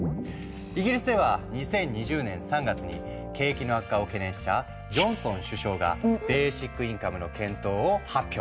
イギリスでは２０２０年３月に景気の悪化を懸念したジョンソン首相がベーシックインカムの検討を発表。